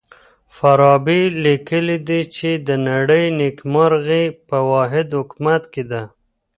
فارابي ليکلي دي چي د نړۍ نېکمرغي په واحد حکومت کي ده.